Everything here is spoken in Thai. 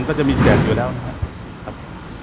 โอเคไหมครับ